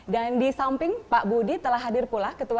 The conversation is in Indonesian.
dan disamping pak budi telah hadir pula dengan bapak budi hanoto